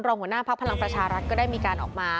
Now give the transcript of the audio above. หัวหน้าพักพลังประชารัฐก็ได้มีการออกมา